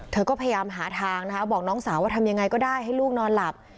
เธอก็พยายามหาทางนะคะบอกน้องสาวว่าทำยังไงก็ได้ให้ลูกนอนหลับ